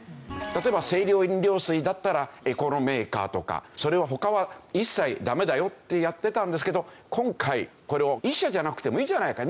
例えば清涼飲料水だったらこのメーカーとか他は一切ダメだよってやってたんですけど今回これを１社じゃなくてもいいじゃないか。